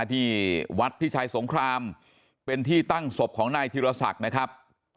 ที่วัดพิชัยสงครามเป็นที่ตั้งศพของนายธิรศักดิ์นะครับ